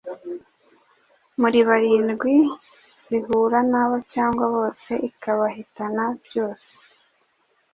muri barindwi zihura nabo cyangwa bose ikabahitana, byose